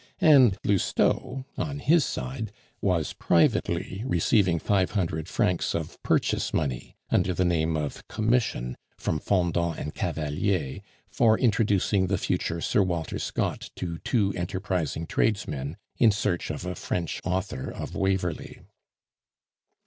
And Lousteau, on his side, was privately receiving five hundred francs of purchase money, under the name of commission, from Fendant and Cavalier for introducing the future Sir Walter Scott to two enterprising tradesmen in search of a French Author of "Waverley."